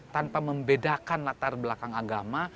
tanpa membedakan latar belakang agama